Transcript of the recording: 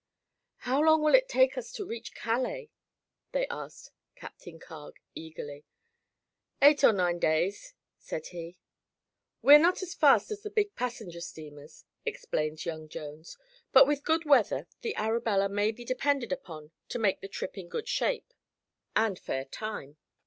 "How long will it take us to reach Calais?" they asked Captain Carg eagerly. "Eight or nine days," said he. "We are not as fast as the big passenger steamers," explained young Jones, "but with good weather the Arabella may be depended upon to make the trip in good shape and fair time."